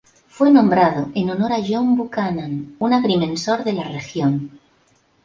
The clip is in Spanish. Fue nombrado en honor a John Buchanan, un agrimensor de la región.